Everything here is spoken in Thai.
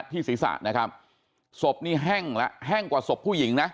ที่ศีรษะนะครับศพนี้แห้งแล้วแห้งกว่าศพผู้หญิงนะ